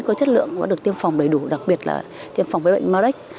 có chất lượng và được tiêm phòng đầy đủ đặc biệt là tiêm phòng với bệnh marek